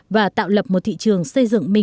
và tạo lập một thị trường xây dựng